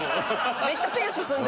めっちゃペン進んでる。